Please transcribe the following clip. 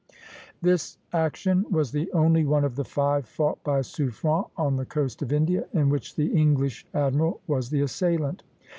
" This action was the only one of the five fought by Suffren on the coast of India, in which the English admiral was the assailant.